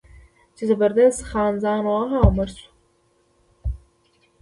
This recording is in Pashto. چې زبردست خان ځان وواهه او مړ شو.